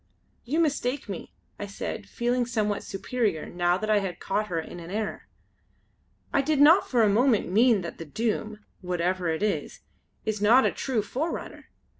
"You mistake me," I said, feeling somewhat superior now that I had caught her in an error, "I did not for a moment mean that the Doom whatever it is is not a true forerunner.